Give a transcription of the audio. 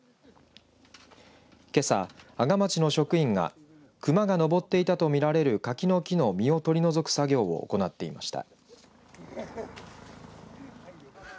けさ、阿賀町の職員が熊が上っていたと見られる柿の木の実を取り除く作業を行っていました。